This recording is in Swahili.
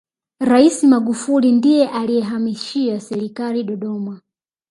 raisi magufuli ndiye aliyehamishia serikali dodoma